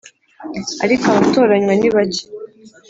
ariko abatoranywa ni bake